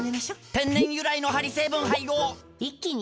天然由来のハリ成分配合一気に！